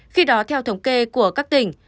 khi đó theo thống kê của các tỉnh